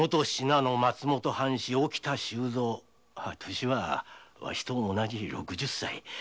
歳はわしと同じ六十歳。